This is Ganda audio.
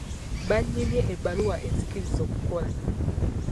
Banyimye ebbaluwa enzikiriza okukola.